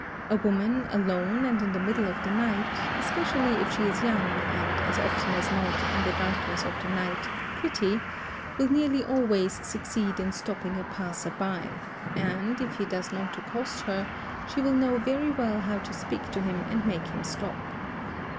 A woman, alone and in the middle of the night, — especially if she is young and as often as not, in the darkness of the ACCOMPLICES 687 night, pretty, will nearly always succeed in stopping a passer by and, if he does not accost her, she will know very well how to speak to him and make him stop.